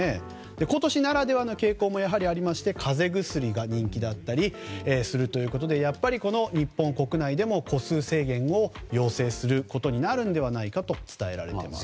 今年ならではの傾向もありまして風邪薬が人気だったりするということでやっぱり日本国内でも個数制限を要請することになるのではと伝えられています。